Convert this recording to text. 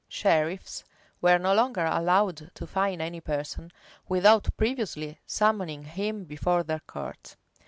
Sheriffs were no longer allowed to fine any person, without previously summoning him before their court.